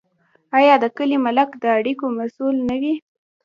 آیا د کلي ملک د اړیکو مسوول نه وي؟